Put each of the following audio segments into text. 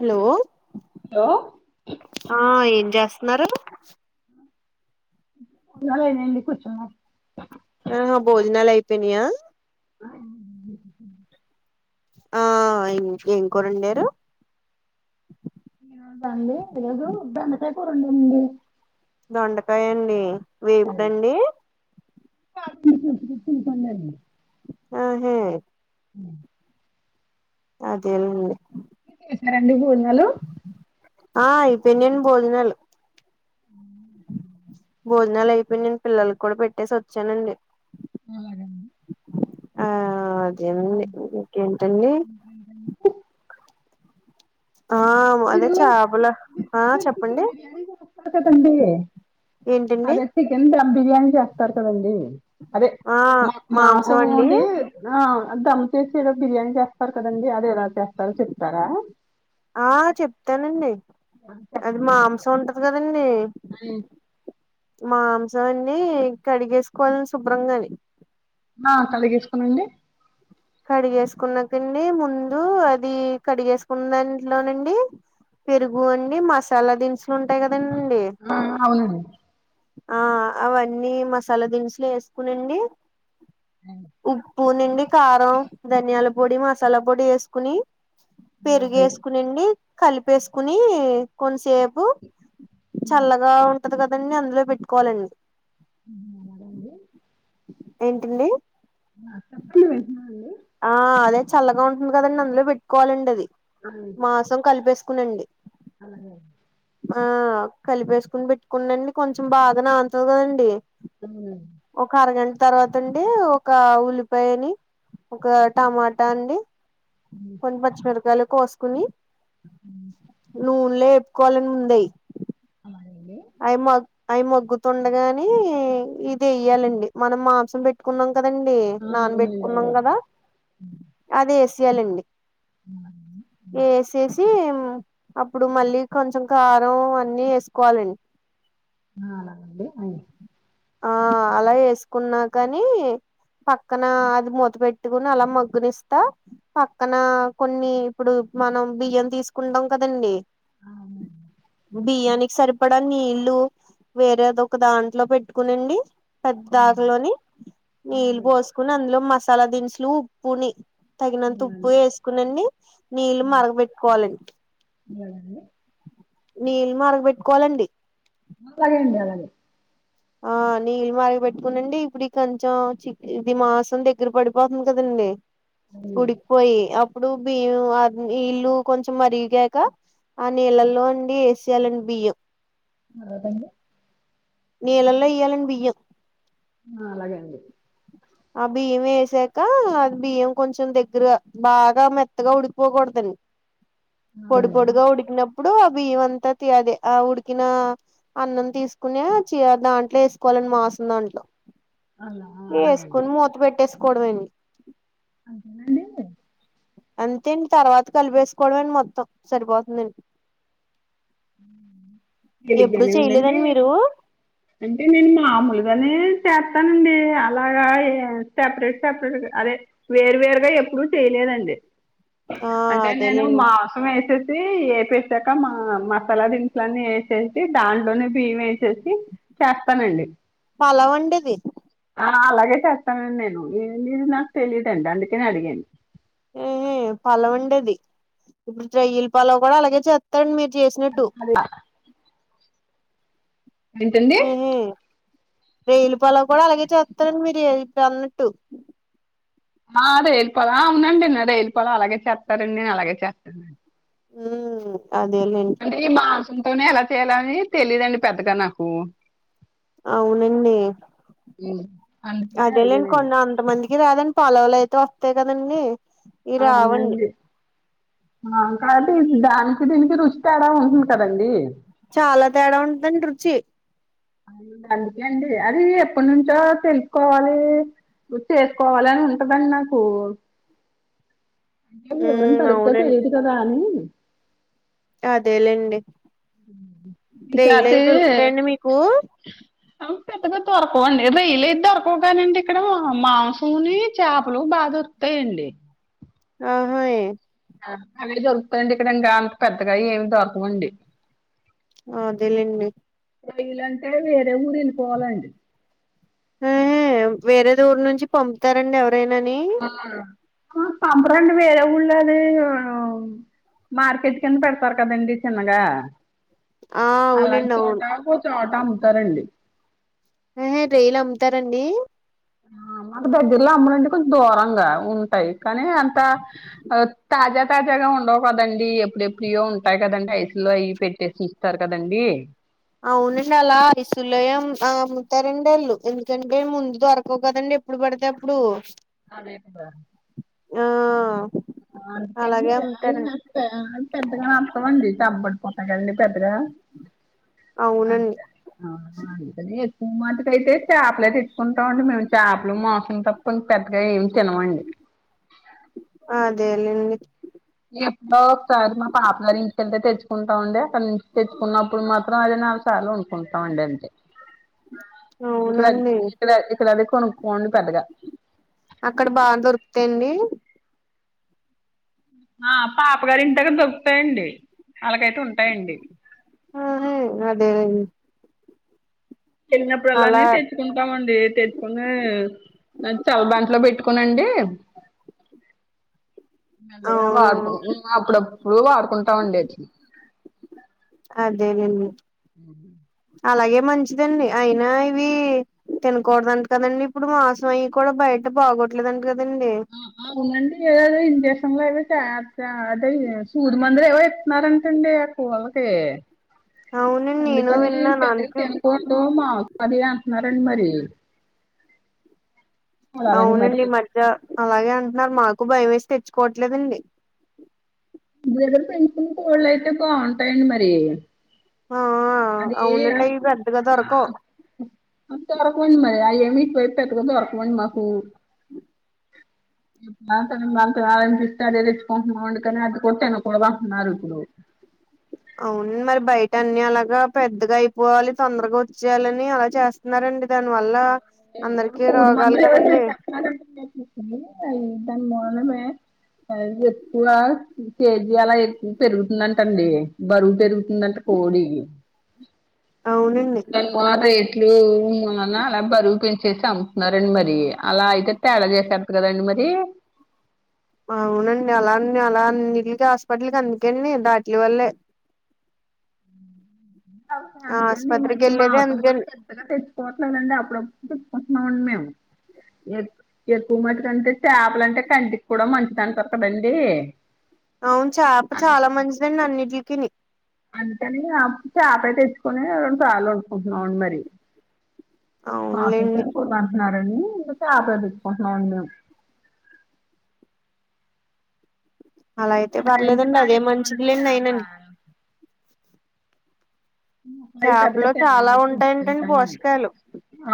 Hello లో ఆ ఏం చేస్నారు గదేలేండి కూర్చున్నాం ఆహా భోజనాలు అయిపోయినయా ఆ ఆ అయింది ఏం కూర ఒండారు ఈ రోజా అండి ఈరోజు బెండకాయ కూర ఒండింది దొండకాయ అండి వేపుడండి సందడి ఆహే అదే లేండి చేస్నారా అండి భోజనాలు ఆ అయ్పోనయ్ అన్ భోజనాలు హూ భోజనాలు అయిపోయినయ్న్ పిల్లలక్ కూడా పెట్టేసి ఒచ్చానండి హూ అదే అండి ఆ అదేనండి ఇ ఇకేంటండి ఊహూ [unintelligible] ఆ మాదే చాపల ఆ చెప్పండి [inaudible] ఒస్స కదండీ ఏంటండి అదే చికెన్ ధమ్ బిర్యానీ చేస్తారు కదండీ అదే ఆ మా మాంసం మాసం అండి ఒండీ నా అ ధమ్ చేసి ఏదో బిర్యానీ చేస్తారు కదండీ అది ఎలా చేస్తారో చెప్తారా ఆ చెప్తానండి అది మాంసం ఉంటది కదండీ ఆ మాంసం అండీ కడిగేసుకోవల్ శుభ్రం గాని ఆ కలిగేస్కునండి కడిగేసుకున్నాకండి ముందు అది కడిగేసుకున్న దాంట్లోనండి పెరుగు అండి మసాలా దినుసులు ఉంటాయ్ కదండి ఆ అవునండి ఆ అవన్నీ మసాలా దినుసులే వేసుకునండి అ ఉప్పు నుండి కారం ధనియాల పొడి మసాలా పొడి వేసుకుని ఆ, పెరుగు అలాగే వేసుకునిండి కలిపేసుకుని కొంసేప్ పు చల్లగా ఉంటది కదండి అందులో పెట్టుకోవాలండి ఊహు అలాగ అండి ఏంటండి? ఆ చప్పులు వేస్నా అండి ఆ అదే చల్లగా ఉంటుంది కదండి అందులో పెట్టుకోవాలండి అది అవును మాసం కలిపేసుకునండి అలాగే అం ఆ కలిపేసుకుని పెట్టుకుండండి కొంచెం బాగా నాంతది కదండి ఆ ఒక అరగంట తర్వాతండి ఒక ఉల్లిపాయని ఒక టమాటా అండి కొన్ పచ్చిమిరపకాయలు కోసుకొని నూన్ లో వేప్కోవాలండ్ ముందే అయి అలాగే అండి అయి మొత్ అవి మొగ్గుతుండగానే ఇది వేయ్యాలండి మనం మాంసం పెట్ పెట్టుకున్నాం కదండి ఆ అవునండి నాన్బెట్టుకున్నాం కదా అది వేసేయాలండి అవును అలాగే అండి. హ్మ్. ఏసేసి ఉమ్ అప్పుడు మళ్ళీ కొంచెం కారం అన్ని వేసుకోవాలం ఆ అలాగే అండి అయ్ ఆ అలా వేస్కున్నా కాని పక్కన అది మూత పెట్టుకుని అలా మగ్గునిస్తా పక్కన కొన్ని ఇప్పుడు మనం బియ్యం తీసుకుంటాం కదండి ఆ అవునండ్ బియ్యానికి సరిపడా నీళ్లు వేరే దొక దాంట్లో పెట్కునిండి హ్మ్. పెద్దాకలోని అలాగే నీళ్ళు అండి పోసుకొని అందులో మసాలా దినుసులు, ఉప్పుని తగినంత అవునా ఉప్పు అండి వేసుకునిండి నీళ్ళ అలాగే మరగబెట్టుకోవాలండ్ అలాగే అండి నీళ్ళు మరగబెట్కోవాలండి అలాగే అండి అలాగే ఆ నీళ్ళు మరగ పెట్కొనండి ఇప్పుడు కొంచెం చిక్ ఇది మాసం దగ్గర పడిపోతుంది కదండి అవునండి ఉడికిపోయి అప్పుడు బిం నీల్లు కొంచెం మరిగాక ఆ నీళ్లల్లో అండి ఏసెయ్యాలండి బియ్యం తర్వాత అండి నీలల్లో ఎయ్యాలండ్ బియ్యం ఆ అలాగే అండి ఆ బియ్యం వేసాక అది బియ్యం కొంచెం దగ్గరగా బాగా మెత్తగా ఉడికిపోకూడదం పొడి అలాగే అండి పొడిగా ఉడికినప్పుడు ఆ బియ్యం అంతా తి అదే ఆ ఉడికిన అన్నం తీసుకునే చీ దాంట్లో వేసుకోవాలన్ మాసం దాంట్లో అవునా అలాగే అండి. వేసుకుని మూత పెట్టేసుకోవడమే అండి. అంతేనా ట్ అంతే అండి తర్వాత కలిపేసుకోవడమే అండి మొత్తం సరిపోతుందండి. ఎప్పుడు తేలిగ్గానే ఉందండి చెయలేదండి మీరు. అంటే నేను మామూలుగానే చేస్తానండి, అలాగ ఎ సపరేట్ సపరేట్ అదే వేర్వేరుగా ఎప్పుడు చేయలేదండి. ఆ అంటే నేను అదేలేండి మాంసం ఎసేసి ఏపేసాక మా మ సాల దినుసులన్ని ఎసేసి దాంట్లోనే బియ్యం ఎసేసి చేస్తానండి. పలావ్ అండియిది. ఆ అలాగే చేస్తానండి నేను, ఇది నాకు తెలియదండి అందుకనె అడిగాను. ఏ ఇది పలావ్ అండి ఇది. ఇప్పుడు రొయ్యలు పలావ్ కూడా అలాగే చేత్తాండి మీరు చేసినట్టు. అల్లాగా ఏంటండి ఏహే రొయ్యల పలావు కూడా అలాగే చేత్తారండి మీరు ఇప్పుడు అన్నట్టు. ఆ రొయ్యలు పలావు అవునండి రొయ్యల పలావ్ అలాగే చేస్తారండి నేను అలాగే చేస్తాను. ఉ అదేలేండి. అంటే ఈ మాంసంతోనే ఎలా చేయ్యాలని తెలియదండి పెద్దగా నాకు. అవునండి అందుకనే అడిగానండి. కొంతమందికి రాదండి పలావులు అయితే వత్తయి కదండి. ఇవి రావండి అవునండి. ఆ కానీ దానికి దీనికి రుచి తేడా ఉంటుంది కదండి. చాలా తేడా ఉంటుందండి రుచి. అందుకే అండి అది ఎప్పటినుంచో తెలుసుకోవాలి చేసుకోవాలని ఉంటదండి నాకు. ఈ వివరం ఉమ్ సరిగ్గా అవునండి తెలియదు కదా అని అదేలేండి. రొయ్యలు అయి ఈసారి దొరుకుతయండి మీకు? ఆ పెద్దగా దొరకవండి రొయ్యలయి దొరకవు కానండి ఇక్కడ మాంసముని చాపలు బాదొరు కుతయండి. ఆహా ఇ అవే దొరుకుతయండి ఇక్కడ ఇంకా అంత పెద్దగా ఏమి దొరకవండి. ఆ అదేలేండి. రొయ్యలంటే వేరే ఊరు వెళ్ళిపోవాలండి. ఎ వేరే ఊరు నుంచి పంపుతారండి ఎవరైనాని. ఆ పంపరండి వేరే ఉళ్ళు అది మార్కెట్ కింద పెడతారు కదండి చిన్నగా. ఆ అలాంటి అవునండి అవును చోట ఒక చోట అమ్ముతారండి. ఎహె రొయ్యలు అమ్ముతారండి. మాకు దగ్గర్లో అమ్మరండి కొంచెం దూరంగా ఉంటాయి కానీ అంత ఆ తాజా తాజాగా ఉండవు కదండి, ఎప్పుడెప్పుడియో ఉంటాయి కదండి ఐస్లో అయి పెట్టేసి ఉంటరు కదండి. అవునండి అలా ఐసుల్లోయే అమ్ము అమ్ముతారండి అల్ళు ఎందుకంటే ముందు దొరకవు కదండి. ఎప్పుడు పడితే అప్పుడు. అదే కదా. ఆ [unintelligible] [unintelligible] అలాగే అమ్ముతారండి అవునండి అక ఎక్కువ మటుకైతే చేపలే తెచ్చుకుంటాం అండి మేము చేపలు మోసం తప్పు [unintelligible] పెద్దగా ఏం తినమండి అదేలెండి నేను ఎప్పుడో ఒకసారి మా పాప గారించికెళ్తే తెచ్చుకుంటాం అండి అక్కడి నుంచి తెచ్చుకున్నప్పుడు మాత్రం అదే నాలుగు సార్లు ఉంటుంది కుంటాండి అంతే ట్ ఇక్కడ ఇక్కడ ఇక్కడ అవి [unintelligible] అక్కడ బా దొరుకుతాయిండి ఆ పాపగారు [unintelligible] దొరుకుతాయండి వాళ్లాకైతే ఉంటాయండి ఆ హె అదే అలా [unintelligible] తెచ్చుకుంటామండి తెచ్చుకుని [unintelligible] పెట్టుకునండి మెల్లగ వాడుకు అవునవును అప్పుడప్పుడు వాడుకుంటా ఉండేది అదేనండి అలాగే మంచిదండి అయినా ఇవి తినకూడదుంట కదండి ఇప్పుడు మాసం అయ్యి కూడ బయట బాగోట్లేదంట కదండి అవునండి [unintelligible] ఏవో ఇస్తున్నారంటండి కోళకే అవునండి నేను అందుకని విన్నాను పెద్దగ అందుకే తినకో దో మాస అది అంటన్నారు అండి మరి చూడాలండి మరి అవునండి ఈ మధ్య అలాగే అంటున్నారు మాకు భయం ఏసీ తెచ్చుకోట్లేదండి మీ దగ్గర పెంచిన కోళ్ళ అయితే బాగుంటాయండి మరి ఆ అదే అవునండి అవి పెద్దగా దొరకవు అంత [unintelligible] మరి ఆ ఏమి ఇట్ వైపు దొరకవండి మాకు [unintelligible] పోటెన [unintelligible] అవునండి మరి బయట అన్ని అలాగ పెద్దగా అయిపోవాలి తొందరగా వచ్చేయాలని అలా చేస్తున్నారండి దాని వల్ల అందరికి సూది రోగాలు మందులు కదండి [unintelligible] ఎక్కువ కేజీ అల ఎక్కువ పెరుగుతుందంటండి బరువు పెరుగుతుందంట [unintelligible] అవునండి [unintelligible] అల బరువు పెంచేసి అమ్ముతున్నారండి మరి అలా అయితే తేడా [unintelligible] కదండి మరి అవునండి అలానే అలా అన్ని [unintelligible] హాస్పిటల్కి అందుకేండి దాటిల వల్లే అస ఆ అందుకే ఈ ఆస్పత్రికి మధ్య మా వెళ్ళేదే అందుకని [unintelligible] తెచ్చుకోవట్లేదండి అప్పుడప్పుడు తెచ్చుకోన్నా [unintelligible] మేము ఎక్కువ మటుకంటే చేపల అంటే కంటికి కూడా మంచిది అనిప కదండి అవును చాప చాలా మంచిదండి అన్నింటి [unintelligible] అంతే అని ఆ [unintelligible] తెచ్చుకోని రెండు సార్లు వండుకుంటున్నాం మరి [unintelligible] అవునులేండి అంటున్నారండి ఇంకా చేప [unintelligible] చ్చకుంటున్నాండి మేము అలా నాకు అయితే తలకాయ అంటే పర్లేదండి బాగా అదే ఇష్టమండి మంచిదిలేండి అయిన చేప [unintelligible] [unintelligible] చేపలో చాలా ఉంటాయంటండి పోషకాలు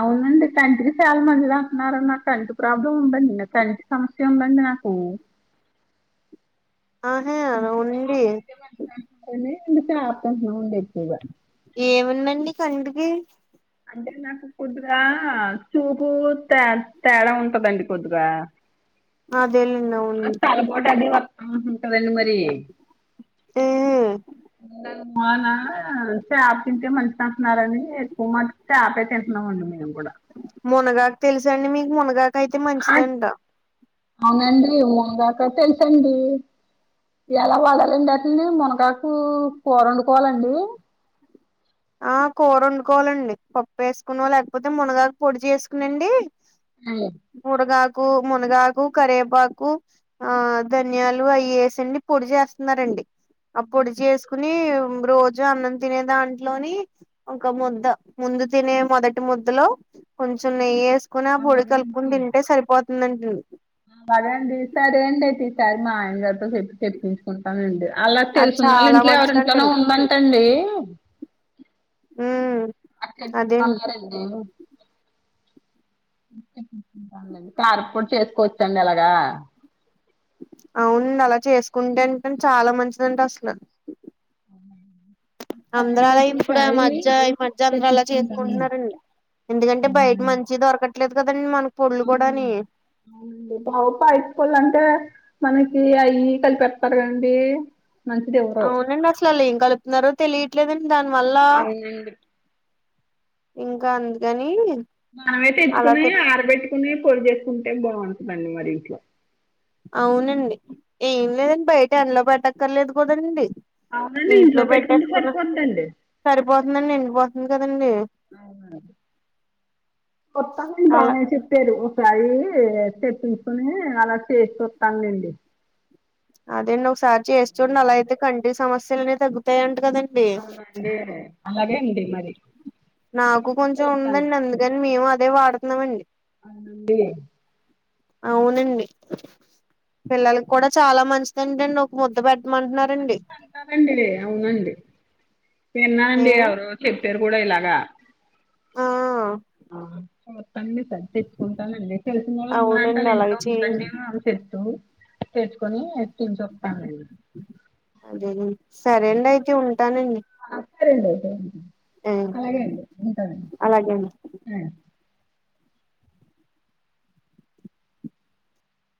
అవునండి కంటికి చాల మంచిది అంటున్నారు నా కంటి ప్రాబ్లం ఉండదు నా కంటి సమస్య ఉందండి నాకు అదే ఉండి [unintelligible] చాప్ అంత నంతివ ఏముందండి కంటికి అంటే నాకు కొద్దిగా చూపు తే తేడా ఉంటదండి కొద్దిగా అదే దవును [unintelligible] ఉంటదండి మరి ఆ ఉ నా చాప్ తింటే మంచిదంటున్నారని ఎక్కువ మ చాపే తింటున్నాం అండి మేము కూడ మునగాక తెలుస అండి మీకు మునగాక అయితే ఆ మంచిదంట అవునండి ఊంగ్క తెల్సండి ఎలా వదాలండి అండి మునగాకు కూర వండుకోవాలండి ఆ కూర వండుకోవాలండి పప్పు ఏసుకోనో లేకపోతే మునగాకు పొడి చేసుకునండి అవు మురగాకు మునగాకు కరివేపాకు ఆ ధన్యాలు అయేసి అండి పొడి చేస్తున్నారండి అ పొడి జేసుకుని రోజు అన్నం తినేదాం లోని ఒక ముద్ద ముందు తినే మొదటి ముద్దలో కొంచెం నెయ్యేస్ కుని ఆ పొడి కలుపుకుని తింటే సరిపోతుందం బాగా అండి తీస్తారు ఏంటియి సరేఅండీ మా ఆయన గారితో చెప్ప చెప్పి కుంటానండి అలా అది తెలిసిన వాళ్ళ చాలా ఇంట్లో మంచిదంట ఎవరింట్లోనే ఉందంటండి హ్మ్ అది తెప్పించమన్నారండి అండి కార్పడి చేసుకోవచ్చండి అలాగా అవును అలా చేసుకుంటే అంటేే చాలా మంచిది అంట అసలు అందర్ అలా ఇప్పుడు మధ్య ఈ మధ్య అందర్ అలా చేసుకుంటున్నారండి ఎందుకంటే బయట మంచి దొరకట్లేదు కదండి మన పొల్లు కూడాని అవునండి బావప్ప హై స్కూల్ అంటే మనకి అయి కలిపెడతారు కదండి మంచిది ఇవ్వరు అవునండి అసల్ అళ్ళు ఏం కలుపుతున్నారో తెలియట్లేదన్ దానివల్ల అవునండి ఇంకా అందుకని మనమైతే అలా తెచ్చుకునే తిప్- ఆరబెట్టుకునేవి పొడి చేసుకుంటే బాగుంటుందండి మరి ఇంట్లో అవునండి ఏం లేదండి బయట అందులో పెట్టక్కర్లేదు కదండి అవునండి ఇంట్లో పెట్టుకుంటే సరిపోదండి సరిపోతుందం ఎండిపోతుంది కదండి అవునా కొత్తా ఆమె అలా మేనేజ రు ఒకసారి తెప్పించుకుని అలా చేసి వత్తాంలేండి అదేండి ఒకసారి చేస్తుండి అలా అయితే కంటి సమస్యలునే తగ్గుతాయంట కదండి అవునండి అలాగే అండి మరి నాకు కొంచెం చూస్తాను ఉందండి అందు కాని మేము అదే వాడుతున్నాంమండి ఆండి అవునండి పిల్లలకి కూడా చాలా మంచిదండిండి ఒక ముద్ద పెట్టమంటున్నారండి అంటారండి అవునండి ఏ విన్నానండి ఎవరో చెప్పారు కూడా ఇలాగా ఆ ఆ ఆ తన్ని సర్దించుకుంటానండి తెలిసినొళ్ళు ఉన్నా అంటే అవునండి అళ్ల ఇంట్లో అలాగే చేయండి ఉందండమో ఆమె చెప్తూ తెచ్చుకొని ఎక్కించొస్తానండి అదేండి సరే అండి అయితే ఉంటానండి ఆ సరే అండి అయితే ఆ అలాగే అండి ఉంటనండి అలాగే అం ఉమ్మ్